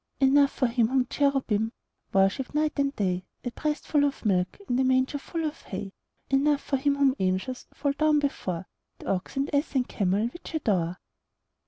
Enough for Him whom cherubim Worship night and day, A breastful of milk And a mangerful of hay; Enough for Him whom angels Fall down before, The ox and ass and camel Which adore.